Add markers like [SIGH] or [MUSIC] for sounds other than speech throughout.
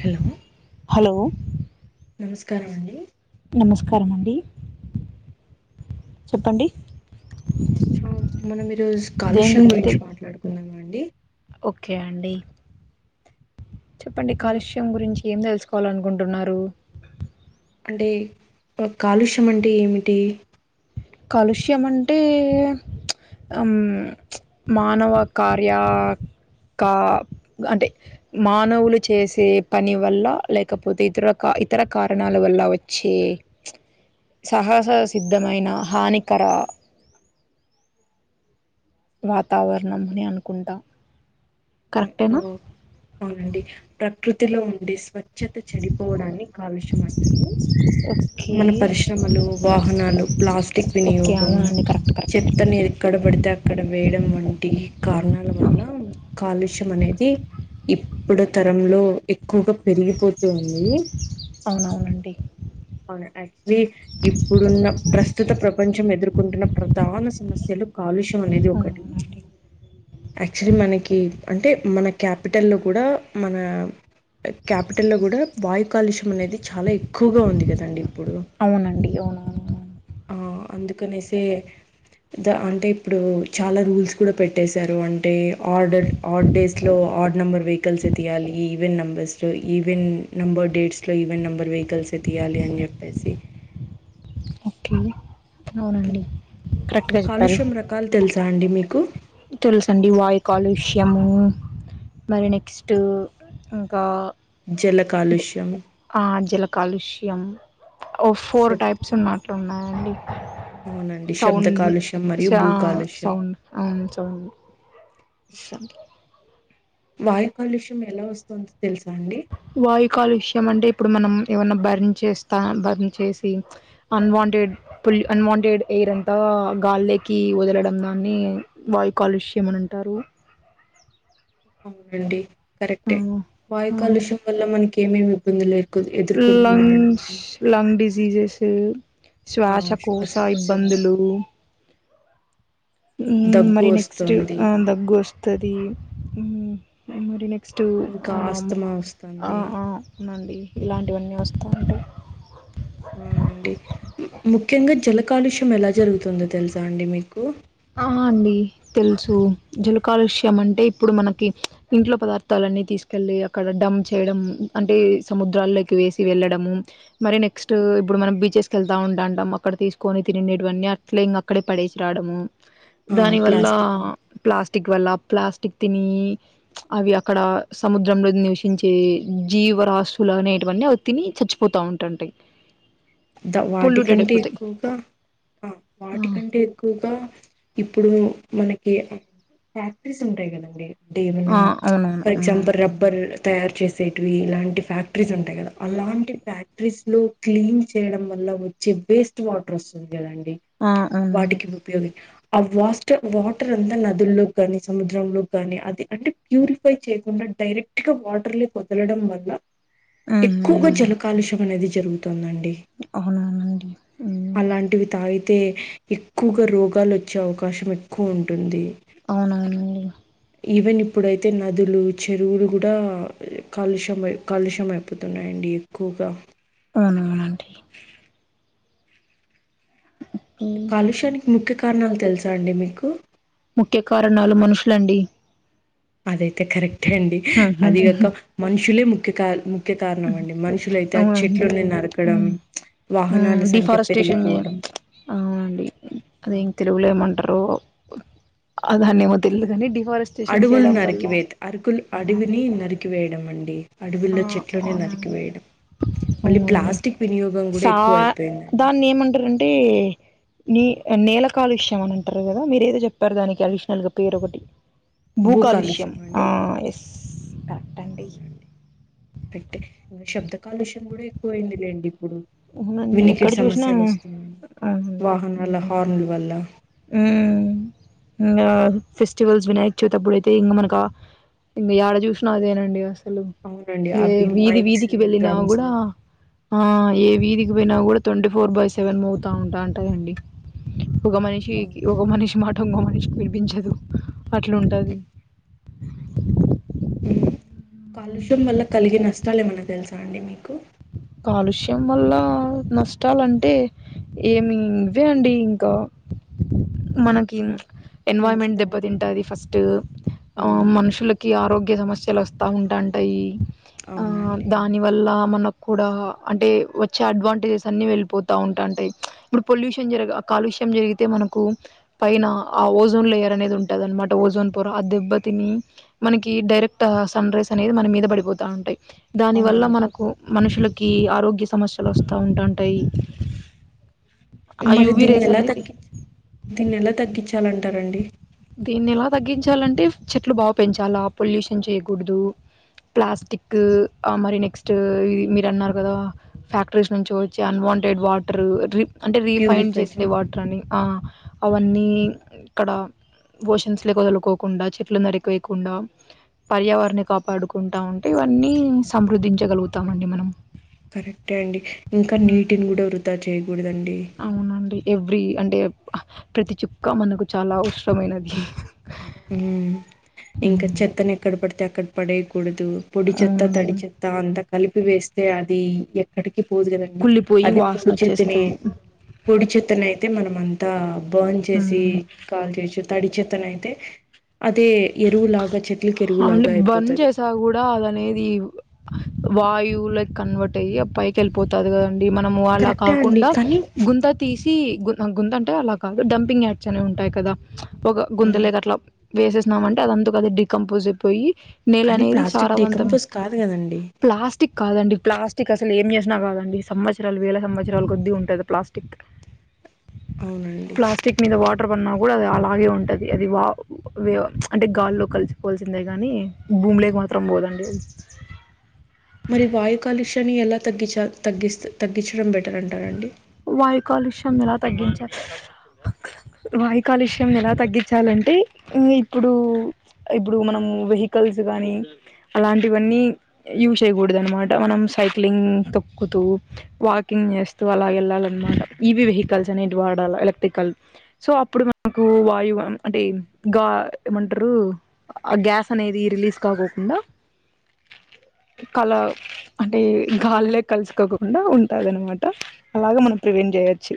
Hello hello నమస్కారం అండి నమస్కారం అండి చెప్పండి ఆ మనం ఈరోజు దేని కాలుష్యం తె గురించి మాట్లాడుకుందామండి ఓకే అండి చెప్పండి కాలుష్యం గురించి ఏం తెలుసుకోవాలనుకుంటున్నారు అంటే ఒ కాలుష్యం అంటే ఏమిటి కాలుష్యం అంటే మ్ మానవ కార్య కా అంటే మానవులు చేసే పని వల్ల లేకపోతే ఇతర కా ఇతర కారణాల వల్ల వచ్చే సాహస సిద్ధమైన హానికర వాతావరణం అని అనుకుంటా కరెక్టేనా అండి ప్రకృతిలో ఉండే స్వచ్ఛత చెనిపోవడాన్ని కాలుష్యం అంటారు ఓకే మన పరిశ్రమలు వాహనాలు ప్లాస్టిక్ ఓకే వినియోగం అవునండి కరెక్ట్ కరెక్ట్ చెత్త అండి అనేది ఎక్కడ పడితే అక్కడ వేయడం వంటి కారణాల వల్ల కాలుష్యం అనేది ఇప్పుడు తరంలో ఎక్కువగా పెరిగిపోతుంది అవునవునండి అవునా యాక్చువలీ ఇప్పుడున్న ప్రస్తుత ప్రపంచం ఎదుర్కొంటున్న ప్రధాన సమస్యలు కాలుష్యం అనేది ఒకటి అవునవునండి యాక్చువలీ మనకి అంటే మన క్యాపిటళ్ళో కూడా మన క్యాపిటల్లో కూడా వాయు కాలుష్యం అనేది చాలా ఎక్కువగా ఉంది కదండి ఇప్పుడు అవునండి అవునవునవును ఆ అందుకనేసే అంటే ఇప్పుడు చాలా రూల్స్ కూడా పెట్టేశారు అంటే హడ హాట్ డేస్ లో వార్డ్ నంబర్ వ వెహికల్స్ తీయాలి ఈవెన్ నంబర్స్ లో ఈవెన్ నంబ డట్స్ లో ఈవెట్ నెంబర్ వెహికల్స్ తీయాలి అని చేప్ పెట్టేసి ఓకే అవునండి కరెక్ట్గా చెప్పారు కాలుష్యం రకాలు తెలుసా అండి మీకు తెలుసండి వాయుకాలుష్యము మరి నెక్స్ట్ ఇంకా జల ద్ కాలుష్యం అ జల కాలుష్యం ఓ ఫోర్ శబ్ద టైప్స్ ఉన్నట్లు ఉన్నాయండి అవునండి సౌ శబ్ద కాలుష్యం స మరియు భూ ఆ కాలుష్యం సౌండ్ సౌండ్ స వాయు కాలుష్యం ఎలా వస్తుంది వాయు కాలుష్యం అంటే ఇప్పుడు మనం ఏమన్నా బర్న్ చేస్తా బర్న్ చేసి అన్వాంటెడ్ పు అన్వాంటెడ్ ఎయిర్ అంతా గాలిలోకి వదలడం దాన్ని వాయు కాలుష్యం అని అంటారు అవునండి కరెక్టే అవును వాయు అవును కాలుష్యం వల్ల మనకి ఏమేమి ఇబ్బందులు ఎదుర్కొ ఎదుర్కొంటున్నారండి లంగ్స్ లంగ్ డిసీజెస్ ఆ శ్వాసకోశ ఇబ్బందులు వ్యాధులు మ్ దగ్గు మరి నెక్స్ట్ వస్తుంది దగ్గు వస్తది మరి నెక్ నెక్స్టు ఇంకా ఆమ్ ఆస్తమా ఆ వస్తుంది ఆ అవునండి ఇలాంటివన్నీ వస్తూ ఉంటయ్ అవునండి ము- ముఖ్యంగా జల కాలుష్యం ఎలా జరుగుతుందో తెలుసా అండి మీకు ఆ ఆ అండి తెల్సు జల కాలుష్యం అంటే ఇప్పుడు మనకి ఇంట్లో పదార్థాల ‌అన్సి తీసుకెళ్ళి అక్కడ డప్ చేయడం అంటే సముద్రాల్లోకి వేసి వెళ్ళడము మరి నెక్స్ ఫస్ట్ ఇప్పుడు మనం బీచెస్కి వెళ్తా ఇప్పుడు క్ట్ ఇప్పుడు మనం బీచెస్కి వెళ్తా ఉంటాటం అక్కడ తీసుకొని తినేటివన్నీ అట్లే ఇంక అక్కడే పడేసి రాడము ఆ దానివల్ల ప్లాస్టిక్ ప్లాస్టి క్ వల్ల ప్లాస్టిక్ తిని అవి అక్కడ సముద్రంలో నివసించే జీవ్ ఇయువ రాస్తులు అనేటువన్నీ అవి తిని చచ్చిపోతా ఉంటాంటయ్. ద వాటికంటే ఎక్కువుగా అ ఆ! వాటికంటే ఎక్కువుగా ఇప్పుడు మనకి ఫ్యాక్టరీస్ ఉంటాయి కదండి డేవనా ఆ! అవునవును. ఫర్ హ్మ్. ఎగ్జాంపల్ రబ్బర్ తయారు చేసేటివి ఇలాంటి ఫ్యాక్టరీస్ ఉంటాయి కదా అలాంటి ఫ్యాక్టరీస్ లో క్లీన్ చేయడం వల్ల వచ్చే వేస్ట్ వాటర్ వస్తుంది కదండి ఆ! అవునండి. వాటికి ఉపయోగి ఆ వాస్టర్ వాటర్ అంతా నదుల్లో కానీ, సముద్రంలో గానీ అది అంటే ప్యూరిఫై చేయకుండా డైరెక్ట్ గా వాటర్లోక్ వదలడం వల్ల హ్మ్. ఎక్కువగా హ్మ్. జల కాలుష్యం అనేది జరుగుతుందండి. అవునవునండి మ్మ్ అలాంటివి తాగి తే ఎక్కువగా రోగాలు వచ్చే అవకాశం ఎక్కువ ఉంటుంది. అవునాండి ఈవెన్ ఇప్పుడైతే నదులు, చెరువులు కూడా కాలుష్యం కాలుష్యం అయిపోతున్నాయండి ఎక్కువ గా అవునవునండి మ్మ్ కాలుష్యానికి ముఖ్య కారణాలు తెల్సా అండి మీకు? ముఖ్య కారణాలు మనుషులండి అదైతే కరెక్టే అండి హ్మ్, హ్మ్, అది హ్మ్. గాక మనుషులే ముఖ్యకారణ ముఖ్య కారణం అండి మనుషులైతే ఆ అవునండి చెట్లుని నరకడం, మ్మ్ మ్మ్ వాహనాల సంఖ్య డిఫారెస్టేషన్ చే- పెరిగిపోవడం. అవునండి ఆ, అదెం తెలుగులు ఏమంటారో అ దాన్న ఏమో తెలిదు కాని డి అడవులు నరికివేత అరుకుల్ అడివిని నరికివేయడం అండి. అడవిల్లో చెట్లని నరికివేయడం. మళ్ళీ అవునంన్నే ప్లాస్టిక్ వినియోగం కూడా సా ఎక్కువ అయిపోయిందండి దాన్ని ఏమంటారంటే నీ నేల కాలుష్యం అని అంటారు కదా. మీర ఏదో చెప్పారు దానికి అడిషనల్ గా పేరు ఒకటి భూ కాలుష్యం ఆ‌ ఎస్ కరెక్ట్ అండి. అంటే శబ్ద కాలుష్యం కూడా ఎక్కువ అయిందిలేండి. ఇప్పుడు అవునండి ఎక్కడ వినికిడి చూసినా సమస్యలు వస్తున్నాయి అవునండి వాహనాల హార్న్ల వల్ల ఉమ్ ను ఫెస్టివల్స్ వినాయకచవితప్పుడయితే ఇంగ మనక ఇంగ యాడ చూశినా అదేనండి అస లు అవునండి ఏ అవి వీధి మైక్స్ వీధికి వెళ్ళినా డ్రమ్స్ కూడా ఆ ఎ వీధికి పోయినా కూడా ట్వంటీ ఫోర్ బై సెవెన్ మోగుతా ఉంటా అంటయండి. ఒక మనిషి అవును. ఒక మనిషి మాట ఇంగో మనిషి వినిపించదు అట్లుంటది. ఉమ్ కాలుష్యం వల్ల కలిగే నష్టాలు ఏమన్నా తెలుసా అండి మీకు? కాలుష్యం వల్లా నష్టాలంటే ఏమి ఇవే అండి ఇంకా మనకి ఆ. ఎన్వన్మెంట్ మనుషుల ఆరోగ్యం దెబ్బతింటాది ఫస్ట్ ఆ ఉమ్, మనుషులకి ఆరోగ్య సమస్య తెలుస్తా ఉంటాంటాయి ఆ అవునండి దాని వల్ల మన కూడా అంటే వచ్చే అడ్వాంటేజెస్ అన్ని వెళ్ళిపోతా ఉంటాంటాయి. ఇప్పుడు పొల్యూషన్ జర కాలుష్య షం జరిగితే మనకు పైన ఆ ఓజోన్ లేయర్ అనేది ఉంటది అనమాట ఓజోన్ పొర ఆ దెబ్బతిని మనకి డైరెక్ట్ సన్ రైజ్ అనేది మన మీద పడిపోతా ఉంటాయి. దాని వల్ల అవునవును మనకు మనుషులకి ఆరోగ్య సమస్యలు వస్తా ఉంటంటాయి. మరి దీన్ని ఎలా తగ్గించ దీన్ని ఎలా తగ్గించాలంటారండి దీన్ని ఎలా తగ్గించాలంటే చెట్లు బాగా పెంచాలా పొల్యూషన్ చేయకూడదు ప్లాస్టిక్ మరి నెక్స్ట్ మీరన్నారు కదా ఫ్యాక్టరీస్ నుంచి వచ్చే ఆన్ వన్ వాంటెడ్ వాటర్ అంటే రీఫైండ్ ప్యూరిఫై చేసిన వాటర్ అని అవన్నీ ఇక్కడ ఓషన్స్ లోకి వదులుకోకుండా చెట్లు నరికి వేయకుండా పర్యావరణన్ని కాపాడుకుంటా ఉంటే ఇవన్నీ సమృద్ధించగలుగుతామండి మనం కరెక్టే అండి ఇంకా మ్మ్. నీటిని కూడా వృదా చేయకూడదండి అవునండి ఎవ్రీ అంటే ప్రతి చుక్క మనకు చాలా అవసరమైనది మ్ ఇంకా మ్మ్. చెత్తను ఎక్కడ పడితే అక్కడ పడేయకూడదు పొడి చెత్త తడి అవునండి చెత్త అంత కలిపి వేస్తే అది ఎక్కడి పోదు కదండి కుళ్ళిపోయి అదే వాసన పొడి చెత్తని వచ్చేస్తది పొడి చెత్తను అయితే మనం అంతా బర్న్ చేసి కాల్చేసి తడిచెత్త అయితే అదే ఎరువులాగా చెట్లకి అ ద్ ఎరువులాగా బర్న్ అయిపోతది చేసా కూడా అదనేది వాయువు ల కన్వర్ట్ అయ్యి పైకి వెళ్ళిపోతది కద్ మనము అలా కరెక్టే అండి కాకుండా కానీ గుంత తీసి గుంత అంటే అలా కాదు డంపింగ్ యార్డ్స్ అనే ఉంటాయి కదా ఒక గుంద హ్మ్. లేక అట్లా వేసేసాం అంటే అది డికంపోజ్ అయిపోయి నేల కానీ అనేది ప్లాస్టిక్ సారావంతం డీకంపోజ్ కాదు కదండి ప్లాస్టిక్ కాదండి ప్లాస్ స్టిక్ అసలు ఏం చేసినా కాదండి సంవత్సరాలు వేల సంవత్సరాల కొద్దీ ఉంటది ప్లాస్టిక్ అవునండి ప్లాస్టిక్ మీద వాటర్ పన్నా కూడా అది అలాగే ఉంటది అది వా వ్ అంటే గాల్లో కలిసిపోవాల్సిందే కానీ భూమి లోకి మాత్రం పోదండి అది మరి వాయు కాలుష్యాన్ని ఎలా త తగ్గించడం బెటర్ అంటారండి కాల్యూషమ్ ఎలా తగ్గించ వాయు కాలుష్యం ఎలా తగ్గించాలంటే ఇప్పుడు ఇప్పుడు మనం వెహికల్స్ స్ కాని అలాంటివన్నీ చేయకూడదు అనమాట మనం సైక్లింగ్ తొక్కుతూ వాకింగ్ చేస్ అలా వెళ్ళాలిన్నమాట ఈవి వెహికల్స్ అనేవి వాడాలి ఎలక్ట్రికల్ సో అప్పుడు మనకు వాయువ్ అంటే గ ఏమంటారు ఆ గ్యాస్ అనేది రిలీజ్ కాకోకుండా కల అంటే గాల్లే కలుసుకోకుండా ఉంటదన్మా అలాగ మనం ప్రివెంట్ చేయోచ్చు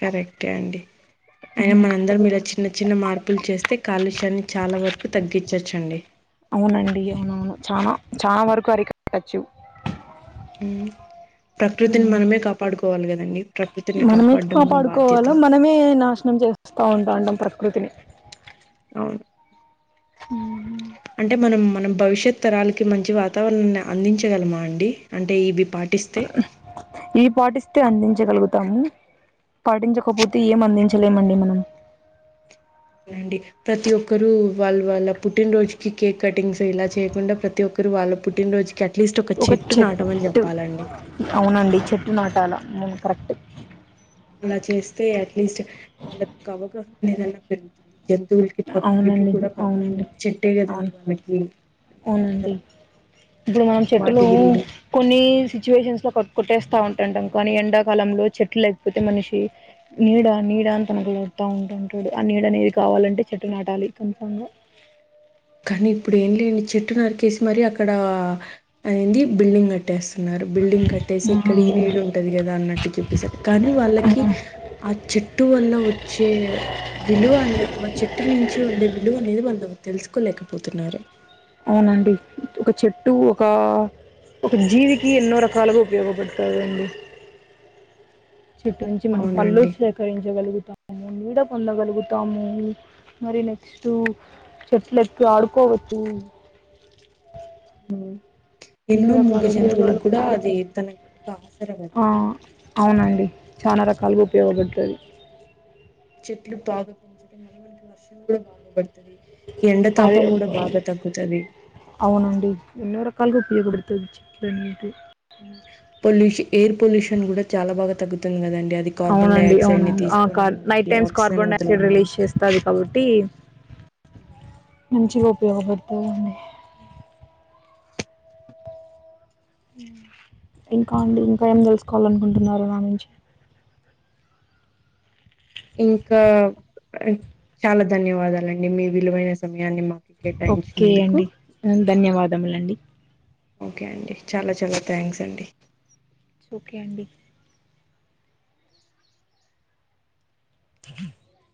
కరెక్టే అండి అయినా మనందరం ఇలా చిన్న చిన్న మార్పులు చేస్తే కాలుష్యాన్ని చాలా వరకు తగ్గించ్ చ్చండి అవునండి అవునవును చనా చాలా వరకు అరికట్టచ్చు మ్ ప్రకృతిని మనమే కాపాడుకోవాలి కదండి ప్రకృతిని మనమైతే కాపాడడం మన బాధ్యత కాపాడుకోవాలో మనమే నాశనం చేస్తా ఉంటంటిమి ప్రకృతిని అవును అంటే మనం మనం భవిష్యత్ తరాలకి మంచి వాతావరణాన్ని అందించగలమా అండి అంటే ఈి ఈవి పాటిస్తే అందించగలుగుతాము పాటించకపోతే ఏం అందించలేమండి మనం అండి ప్రతి ఒక్కరుూ వాళ్ళ వాళ్ళ పుట్టినరోోజుకి కేక్ కటింగ్స్ ఇలా చేయకుండా ప్రతి ఒక్కర్ వాళ్ళ పుట్టినరోజుకి అట్లీస్ట్ ఒక నాటమని చెట్టు చెప్పాలండి అవునండి చెట్ నాటాల మ్ కరెక్ట్ అలా చేస్తే అట్లీస్ట్ వాళ్ళకు ఒక అవగాహన అనేదన్నా పెరుగుతుంది జంతువులకి పక్షులకి అవునండి కూడా పాపం అవునండి చెట్టే కదండి అవును వాటికి అవునండి ఇప్పుడు మనం చెట్టులు వాటి ఇల్లు కొన్ని సిచ్యువేషన్స్ లో కుట్టేస్తా ఉంటంటాం కానీ ఎండాకాలంలో చెట్లు లేకపోతే మనిషి నీడ నీడ అని తనకు లోడుతా ఉంటుంటాడు ఆ నీడ అనేది కావాలంటే చెట్టు నాటాలి కన్ఫామ్ గ కానీ ఇప్పుడు ఏం లేడి చెట్టు నరికేసి మరి అక్కడ అనేది బిల్డింగ్ కట్టేస్ బిల్డింగ్ కట్టేసి ఇక్కడ ఈ నీడ ఉంటాది కదా అన్నట్టు చెప్పేసద్ కానీ వాళ్ళకి ఆ చ్ చెట్టు వల్ల వచ్చే విలువ అనే చెట్టు నుంచి ఉండే విలువ అనేది వాళ్ళు తెలుసు కోలేకపోతున్నారు అవునండి ఒక చెట్టు ఒక ఒక జీవికి ఎన్నో రకాలుగా ఉపయోగపడుతదండి [INAUDIBLE] చెట్టు నుంచి మనం పళ్ళు అవునండి సేకరించగలుగు [INAUDIBLE] నిడ పొందగలుగుతాము మరి నెక్స్ట్ చెట్లు ఎక్కి ఆడుకోవచ్చు ఆ [INAUDIBLE] ఉమ్. ఎన్నో మూగు జంతువులకు కూడా అది తనకి ఒక ఆసర ఆ, కదండి అవునండి చాలా రకాలుగా ఉపయోగపడుతది చెట్లు బాగా పెంచడం వల్ల మనకి వర్షం కూడా బాగ పడుతది ఎండ అదే తాపం కూడా బాగా తగ్గుతది కలుగ ఉపయోగపడుతది చెట్లనేది పొల్యూషన్ ఎయిర్ పొల్యూషన్ కూడా చాలా బాగా తగ్గుతుంది కదం అది కార్బన్ డై అవునండి ఆక్సైడ్ ని అవునవును ఆ తీసుకొని కార్ నైట్ మనకి టైమ్స్ ఆక్సిజన్ కార్బన్ డైఆక్సైడ్ వదలడం హ [INAUDIBLE] రిలీజ్ చేస్తుంది కాబట్టి మంచిగా ఉపయోగపడుతదండి ఇంకా అండి ఇంకా ఏం తెలుసుకోవాలనుకుంటున్నారు నా నుంచి ఇంకా చాలా ధన్యవాదాలండి మీ విలువైన సమయాన్ని మా ఓకే అండి ధన్యవాదములండి ఓకే అండి చాలా చాలా థ్యాంక్స్ అండి ఒకే అండి ప్ప [INAUDIBLE]